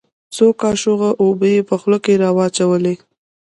څو کاشوغه اوبه يې په خوله کښې راواچولې.